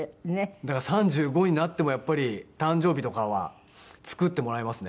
だから３５になってもやっぱり誕生日とかは作ってもらいますね。